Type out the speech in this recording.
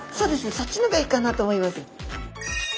そっちの方がいいかなと思います。